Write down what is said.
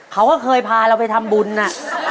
เขาก็เคยพาเราไปทำบุญน่ะ